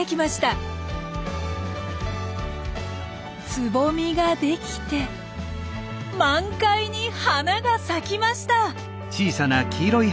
つぼみができて満開に花が咲きました！